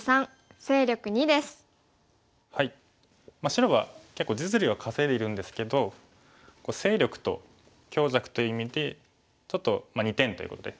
白は結構実利は稼いでいるんですけど勢力と強弱という意味でちょっと２点ということで。